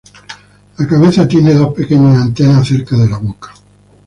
La cabeza tiene dos pequeñas antenas cerca de la boca.